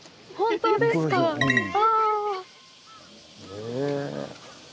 へえ。